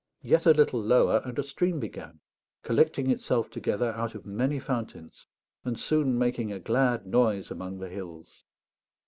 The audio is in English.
Yet a little lower and a stream began, collecting itself together out of many fountains, and soon making a glad noise among the hills.